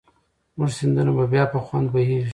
زموږ سیندونه به بیا په خوند بهېږي.